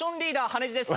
羽地です。